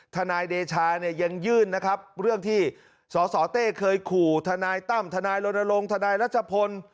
ทนายเดชาเนี่ยยังยื่นนะครับเรื่องที่สสเต้เคยขู่ทนายตั้มทนายลนลงทนายรัชพล